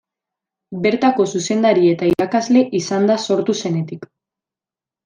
Bertako zuzendari eta irakasle izan da sortu zenetik.